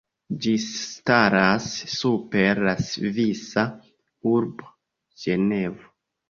Ĝi staras super la svisa urbo Ĝenevo.